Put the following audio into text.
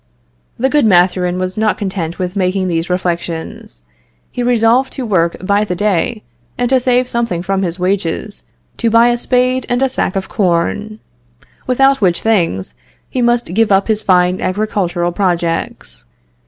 The good Mathurin was not content with making these reflections. He resolved to work by the day, and to save something from his wages to buy a spade and a sack of corn; without which things, he must give up his fine agricultural projects.